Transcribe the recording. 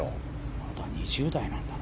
まだ２０代なんだな。